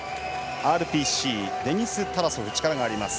ＲＰＣ、デニス・タラソフ力があります。